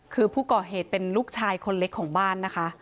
คือผู้ก่อเหตุเป็นลูกชายคนเล็กของบ้านนะคะ